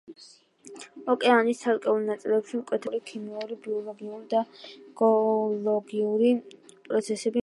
ოკეანის ცალკეულ ნაწილებში მკვეთრად განსხვავებული ფიზიკური, ქიმიური, ბიოლოგიური და გეოლოგიური პროცესები მიმდინარეობს.